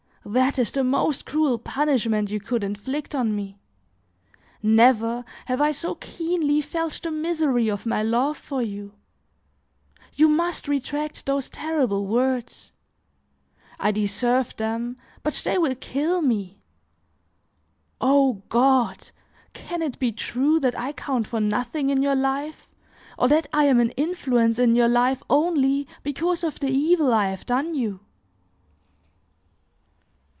That is the most cruel punishment you could inflict on me; never, have I so keenly felt the misery of my love for you. You must retract those terrible words; I deserve them, but they will kill me. O God! can it be true that I count for nothing in your life, or that I am an influence in your life only because of the evil I have done you!"